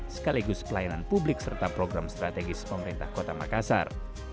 sekaligus pelayanan publik serta program strategis pemerintah kota makassar